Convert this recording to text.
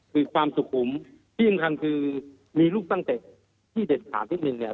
คือความสุขุมที่สำคัญคือมีลูกตั้งแต่ที่เด็ดขาดนิดนึงเนี่ย